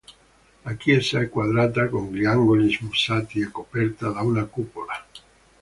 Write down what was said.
La chiesa è quadrata con gli angoli smussati e coperta da una cupola.